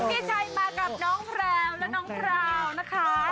พี่ชัยมากับน้องแพรวและน้องแพรวนะคะ